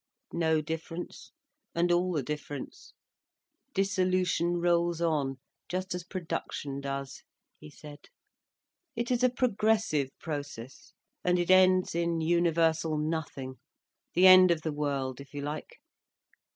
"No difference—and all the difference. Dissolution rolls on, just as production does," he said. "It is a progressive process—and it ends in universal nothing—the end of the world, if you like.